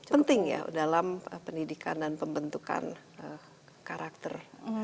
penting ya dalam pendidikan dan pembentukan karakter